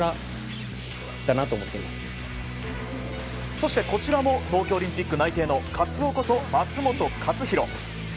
そして、こちらも東京オリンピック内定のカツオこと松元克央。